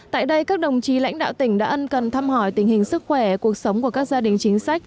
tại đây các đồng chí lãnh đạo tỉnh đã ân cần thăm hỏi tình hình sức khỏe cuộc sống của các gia đình chính sách